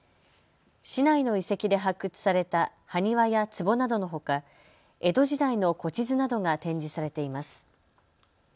市内の遺跡で発掘された埴輪やつぼなどのほか江戸時代の古地図などが展示されています。